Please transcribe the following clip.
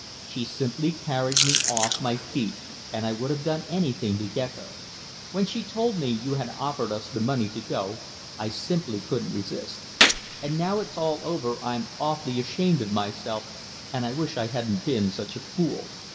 She simply carried me off my feet and I would have done anything to get her. When she told me you had offered us the money to go I simply couldn't resist. And now it's all over I'm awfully ashamed of myself and I wish I hadn't been such a fool.